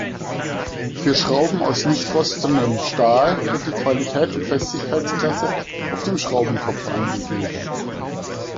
Für Schrauben aus nichtrostendem Stahl wird die Qualität und Festigkeitsklasse auf dem Schraubenkopf angegeben.